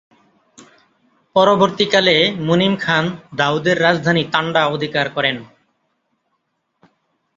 পরবর্তীকালে মুনিম খান দাউদের রাজধানী তান্ডা অধিকার করেন।